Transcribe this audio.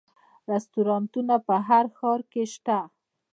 رستورانتونه په هر ښار کې شته